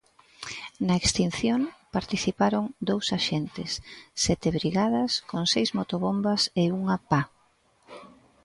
Na extinción participaron dous axentes, sete brigadas con seis motobombas e unha pa.